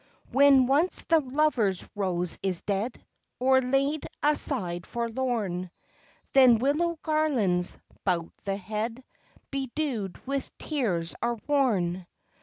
When once the lover's rose is dead Or laid aside forlorn, Then willow garlands, 'bout the head, Bedew'd with tears, are worn.